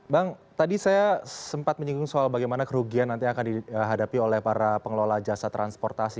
bang tadi saya sempat menyinggung soal bagaimana kerugian nanti akan dihadapi oleh para pengelola jasa transportasi